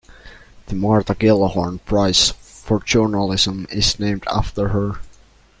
The Martha Gellhorn Prize for Journalism is named after her.